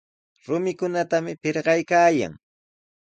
Rumikunatami pirqaykaayan.